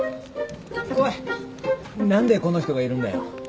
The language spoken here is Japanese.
おい何でこの人がいるんだよ。